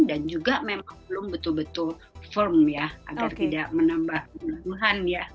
dan juga memang belum betul betul firm ya agar tidak menambah kelemahan ya